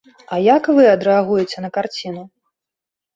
А як вы адрэагуеце на карціну?